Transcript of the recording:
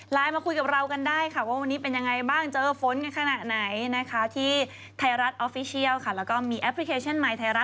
ไทยรัฐที่เป็นนังสือพิมพ์นะคะ